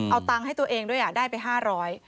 เอาตังให้ตัวเองได้ไป๕๐๐บาท